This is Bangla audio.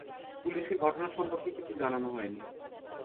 পুলিশকে ঘটনা সম্পর্কে কিছু জানানো হয়নি।